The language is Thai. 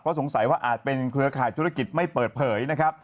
สงสัยว่าอาจเป็นเครือข่ายธุรกิจไม่เปิดเผยนะครับ